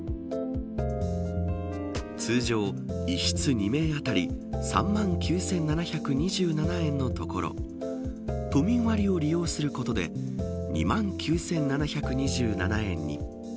通常、１室２名当たり３万９７２７円のところを都民割を利用することで２万９７２７円に。